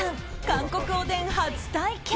韓国おでん初体験！